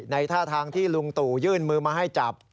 ท่าทางที่ลุงตู่ยื่นมือมาให้จับ